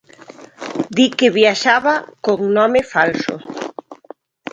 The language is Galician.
Di que viaxaba con nome falso.